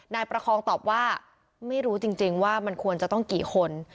ประคองตอบว่าไม่รู้จริงว่ามันควรจะต้องกี่คน